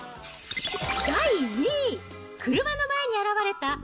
第２位、車の前に現れた！